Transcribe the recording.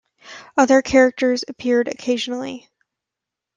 Other characters appeared occasionally.